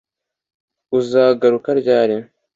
Uzagaruka ryari